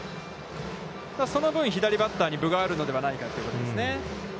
その分、左バッターに分があるのではないかということですね。